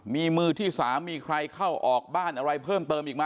มีมือที่๓มีใครเข้าออกบ้านอะไรเพิ่มเติมอีกไหม